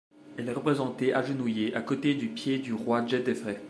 Elle est représentée agenouillée à côté du pied du roi Djédefrê.